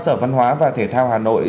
sở văn hóa và thể thao hà nội